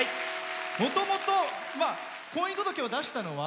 もともと婚姻届を出したのは？